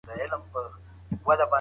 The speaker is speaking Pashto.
هغوی په جګړه کې شا نه کړي.